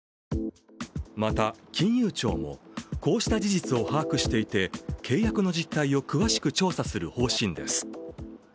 また、金融庁もこうした事実を把握していて、契約の実態を詳しく調査する方針です。